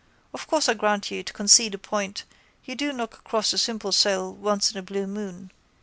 Of course, I grant you, to concede a point, you do knock across a simple soul once in a blue moon.